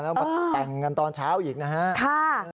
แล้วมาแต่งกันตอนเช้าอีกนะฮะ